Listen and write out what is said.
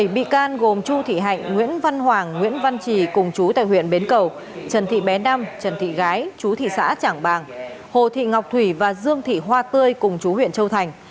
bảy bị can gồm chu thị hạnh nguyễn văn hoàng nguyễn văn trì cùng chú tại huyện bến cầu trần thị bé đam trần thị gái chú thị xã trảng bàng hồ thị ngọc thủy và dương thị hoa tươi cùng chú huyện châu thành